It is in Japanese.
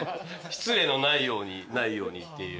失礼のないようにないようにっていう。